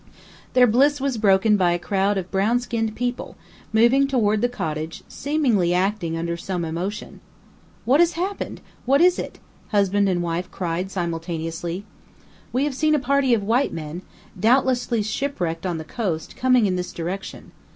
Their bliss was broken by a crowd of brown skinned people, moving toward the cottage, seemingly acting under some emotion. "What has happened? What is it?" husband and wife cried simultaneously. "We have seen a party of white men, doubtlessly shipwrecked on the coast, coming in this direction.